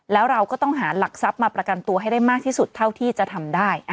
แล้วเราก็ต้องหาหลักทรัพย์มาประกันตัวให้ได้มากที่สุดเท่าที่จะทำได้